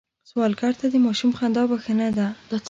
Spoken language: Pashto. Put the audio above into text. سوالګر ته د ماشوم خندا بښنه ده